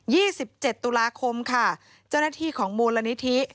วัน๒๗ตุลาคมจ้าหน้าที่ของโมลนิธิ